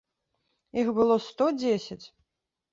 Іх было сто дзесяць!